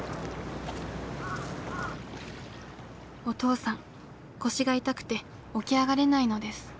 お父さん腰が痛くて起き上がれないのです。